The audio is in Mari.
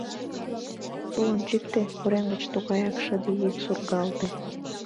Тулым чӱктӧ! — урем гыч тугаяк шыде йӱк сургалте.